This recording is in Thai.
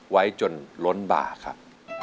วัยจนล้นบ่าครับ